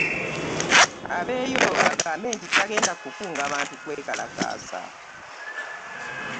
Aveeyo agambe nti tagenda kukunga bantu kwekalakaasa.